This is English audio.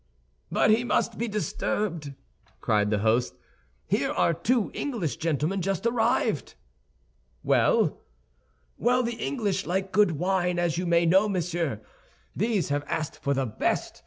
"But he must be disturbed," cried the host; "Here are two English gentlemen just arrived." "Well?" "Well, the English like good wine, as you may know, monsieur; these have asked for the best.